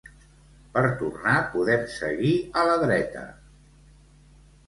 Per tornar podem seguir a la dreta